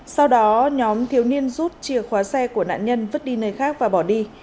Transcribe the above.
sau đó nhóm thiếu niên rút chìa khóa xe của nạn nhân vứt đi nơi khác và bỏ đi